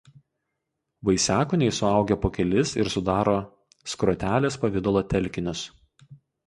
Vaisiakūniai suaugę po kelis ir sudaro skrotelės pavidalo telkinius.